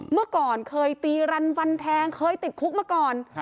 เมื่อก่อนเคยตีรันฟันแทงเคยติดคุกมาก่อน